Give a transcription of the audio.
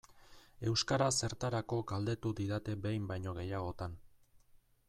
Euskara zertarako galdetu didate behin baino gehiagotan.